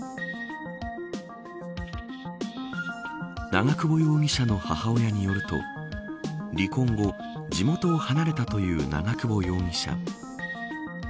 長久保容疑者の母親によると離婚後、地元を離れたという長久保容疑者。